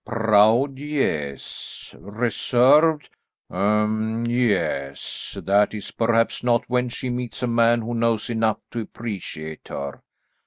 "Proud, yes. Reserved um, yes, that is, perhaps not when she meets a man who knows enough to appreciate her.